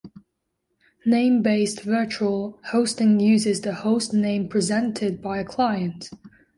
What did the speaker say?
Name-based virtual hosting uses the host name presented by the client.